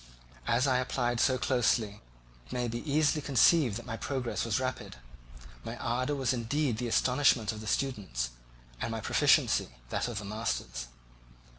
As I applied so closely, it may be easily conceived that my progress was rapid. My ardour was indeed the astonishment of the students, and my proficiency that of the masters.